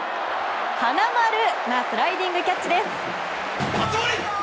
花丸なスライディングキャッチです。